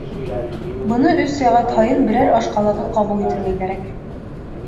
Быны өс сәғәт һайын берәр аш ҡалағы ҡабул итергә кәрәк